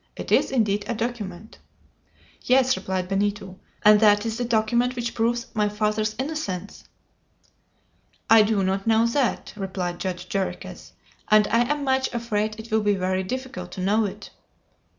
It is indeed a document!" "Yes," replied Benito; "and that is the document which proves my father's innocence!" "I do not know that," replied Judge Jarriquez; "and I am much afraid it will be very difficult to know it."